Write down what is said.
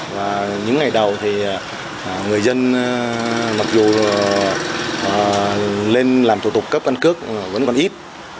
và những ngày đầu thì người dân mặc dù lên làm thủ tục cấp căn cước vẫn còn ít